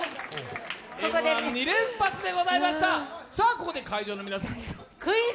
ここで会場の皆さんにクイズ。